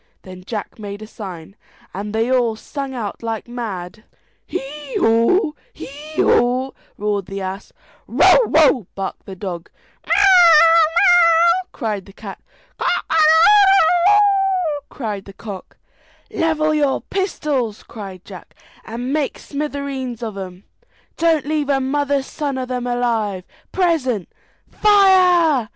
Then Jack made a sign, and they all sung out like mad. "Hee haw, hee haw!" roared the ass; "bow wow!" barked the dog; "meaw meaw!" cried the cat; "cock a doodle doo!" crowed the cock. "Level your pistols!" cried Jack, "and make smithereens of 'em. Don't leave a mother's son of 'em alive; present, fire!"